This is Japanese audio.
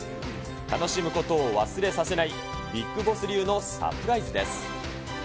楽しむことを忘れさせない、ビッグボス流のサプライズです。